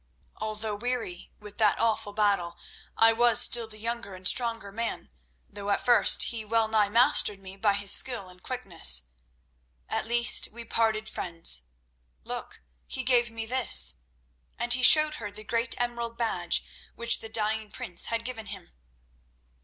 Although weary with that awful battle, I was still the younger and stronger man, though at first he well nigh mastered me by his skill and quickness. At least we parted friends. Look, he gave me this," and he showed her the great emerald badge which the dying prince had given him.